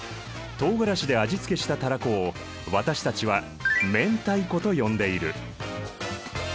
とうがらしで味付けしたタラコを私たちは明太子と呼んでいる。